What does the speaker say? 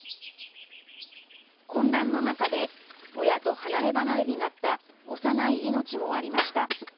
混乱の中で親と離れ離れになった幼い命もありました。